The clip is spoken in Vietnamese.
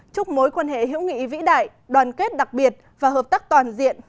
chúc mối quan hệ hữu nghị vĩ đại đoàn kết đặc biệt và hợp tác toàn diện